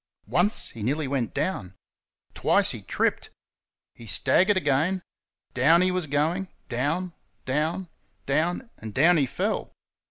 Once he nearly went down. Twice he tripped. He staggered again down he was going down down, down and down he fell!